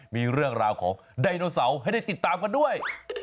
มีเรื่องราวของไดโนเสาร์ให้ได้ติดตามกันด้วย